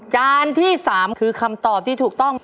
จานที่๓คือคำตอบที่ถูกต้อง